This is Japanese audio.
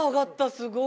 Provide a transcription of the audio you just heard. すごい。